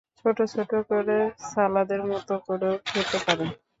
ছোট ছোট করে সালাদের মতো করেও খেতে পারেন।